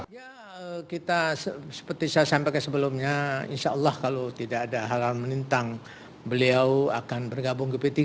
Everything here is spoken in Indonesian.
ya kita seperti saya sampaikan sebelumnya insya allah kalau tidak ada hal hal menentang beliau akan bergabung ke p tiga